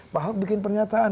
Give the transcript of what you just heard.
pak ahok bikin pernyataan